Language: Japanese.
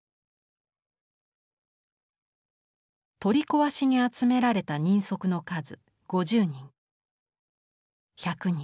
「取り壊しに集められた人足の数５０人１００人。